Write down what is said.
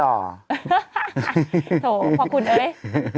โถขอบคุณเอ้ย